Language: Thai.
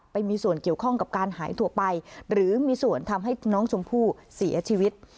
ไปมีส่วนเกี่ยวข้องกับการหายตัวไปหรือมีส่วนทำให้น้องชมพู่เสียชีวิต